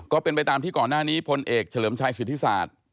ก็เป็นไปตามที่ก่อนหน้านี้พลเอกเฉลิมชัยสิทธิศาสตร์